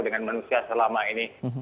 dengan manusia selama ini